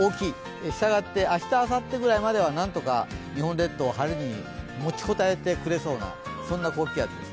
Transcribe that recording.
したがって明日あさってくらいまではなんとか日本列島、晴れに持ちこたえてくれそうな天気です。